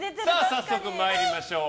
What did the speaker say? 早速参りましょう。